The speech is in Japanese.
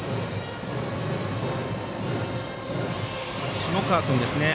下川君ですね。